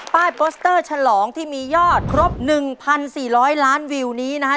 โปสเตอร์ฉลองที่มียอดครบ๑๔๐๐ล้านวิวนี้นะครับ